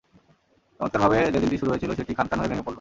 চমৎকারভাবে যেদিনটি শুরু হয়েছিল, সেটি খানখান হয়ে ভেঙে পড়ল।